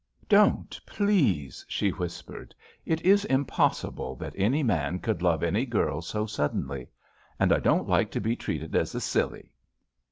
"Don't, please I" she whispered. It is impossible that any man could love any girl so suddenly. And I don't like to be treated as a silly."